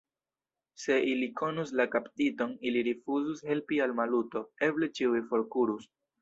Se ili konus la kaptiton, ili rifuzus helpi al Maluto, eble ĉiuj forkurus.